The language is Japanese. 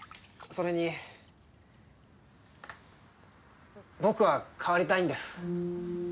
それに僕は変わりたいんです。